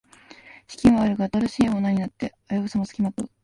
資金はあるが新しいオーナーになって危うさもつきまとう